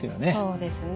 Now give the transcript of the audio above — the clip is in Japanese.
そうですね。